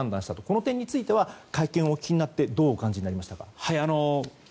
この点については会見をお聞きになってどう感じましたか？